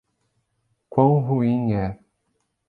Quão ruim é